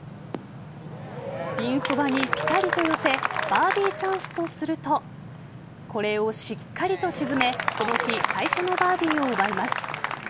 ピンそばにピタリと寄せバーディーチャンスとするとこれをしっかりと沈めこの日最初のバーディーを奪います。